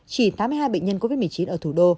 chỉ tám mươi hai bệnh nhân covid một mươi chín ở thủ đô